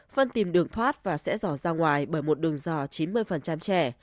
phân tìm đường thoát và sẽ giỏ ra ngoài bởi một đường giỏ chín mươi trẻ